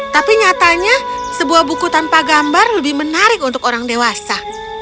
tapi nyatanya sebuah buku tanpa gambar lebih menarik untuk orang dewasa